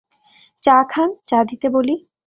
চা খান, চা দিতে বলি।